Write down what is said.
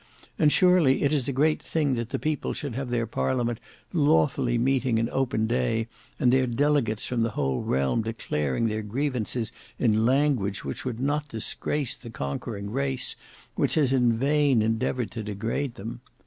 "And surely it is a great thing that the people should have their Parliament lawfully meeting in open day, and their delegates from the whole realm declaring their grievances in language which would not disgrace the conquering race which has in vain endeavoured to degrade them.